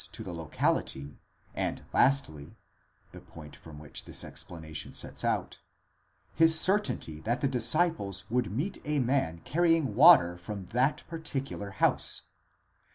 to the locality, and, lastly, (the point from which this explanation sets out), his certainty that the disciples would meet a man carrying water from that particular house.